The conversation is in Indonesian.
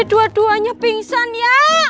dua duanya pingsan ya